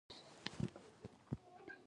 ازادي راډیو د عدالت اړوند مرکې کړي.